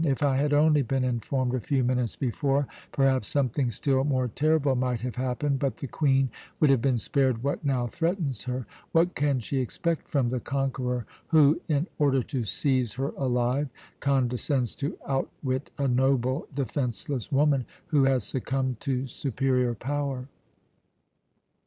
If I had only been informed a few minutes before, perhaps something still more terrible might have happened, but the Queen would have been spared what now threatens her. What can she expect from the conqueror who, in order to seize her alive, condescends to outwit a noble, defenceless woman, who has succumbed to superior power?